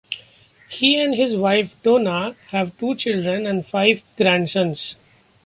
He and his wife Donna have two children and five grandsons.